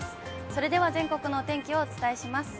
それでは全国のお天気をお伝えします。